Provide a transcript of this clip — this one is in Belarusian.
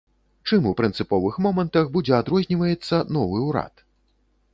Чым у прынцыповых момантах будзе адрозніваецца новы ўрад?